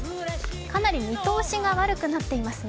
かなり見通しが悪くなっていますね。